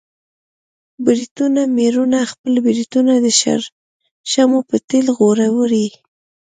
برېتور مېړونه خپل برېتونه د شړشمو په تېل غوړوي.